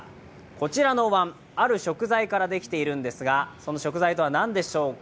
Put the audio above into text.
こちらのお椀、ある食材からできているんですがその食材とは何でしょうか。